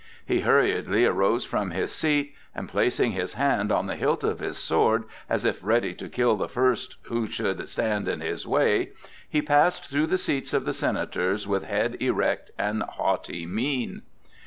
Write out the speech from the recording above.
He hurriedly arose from his seat, and placing his hand on the hilt of his sword, as if ready to kill the first one who should stand in his way, he passed through the seats of the Senators with head erect and haughty mien.